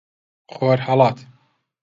خۆر هەڵهات.